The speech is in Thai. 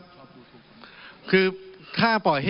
ขอบคุณครับขอบคุณครับ